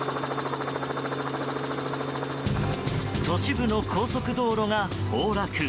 都市部の高速道路が崩落。